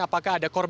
apakah ada korban